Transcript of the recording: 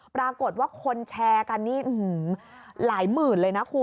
ปรากฏว่าคนแชร์กันนี่หลายหมื่นเลยนะคุณ